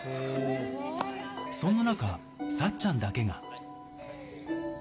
そんな中、さっちゃんだけが。